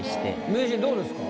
名人どうですか？